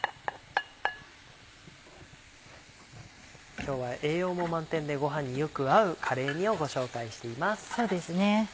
今日は栄養も満点でご飯によく合うカレー煮をご紹介しています。